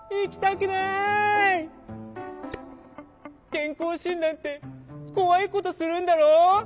けんこうしんだんってこわいことするんだろ？